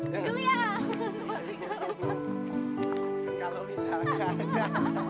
kalau misalnya gak ada